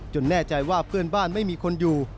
แน่ใจว่าเพื่อนบ้านไม่มีคนอยู่